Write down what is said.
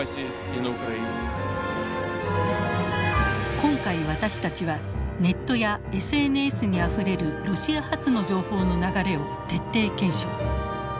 今回私たちはネットやＳＮＳにあふれるロシア発の情報の流れを徹底検証。